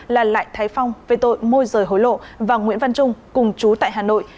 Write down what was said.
là lại thái phong về tội môi rời hối lộ và nguyễn văn trung cùng chú tại hà nội